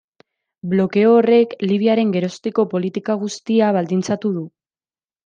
Blokeo horrek Libiaren geroztiko politika guztia baldintzatu du.